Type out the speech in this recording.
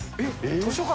図書館？